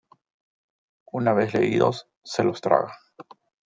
Una vez leídos, se los traga.